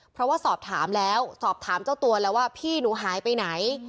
เพราะว่าสอบถามแล้วสอบถามเจ้าตัวแล้วว่าพี่หนูหายไปไหน